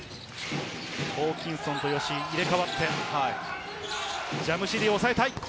ホーキンソンと吉井、入れ替わってジャムシディを抑えたい。